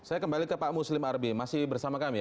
saya kembali ke pak muslim arbi masih bersama kami